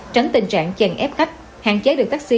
tránh tình trạng chèn ép khách hạn chế được taxi